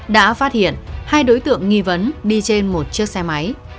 đã phát hiện hai đối tượng nghi vấn đi trên một chiếc xe máy